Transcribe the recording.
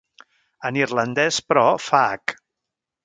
En irlandès, però, fa hac.